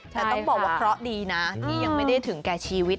แต่ต้องบอกว่าเคราะห์ดีนะที่ยังไม่ได้ถึงแก่ชีวิต